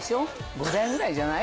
５台ぐらいじゃない？